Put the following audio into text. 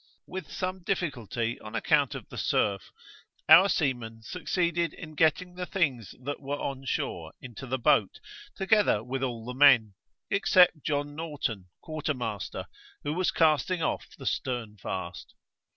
With some difficulty on account of the surf, our seamen succeeded in getting the things that were on shore into the boat, together with all the men, except John Norton, quarter master, who was casting off the stern fast.